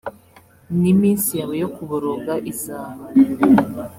niminsi yawe yo kuboroga izaba